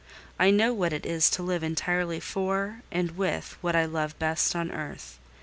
I know what it is to live entirely for and with what I love best on earth.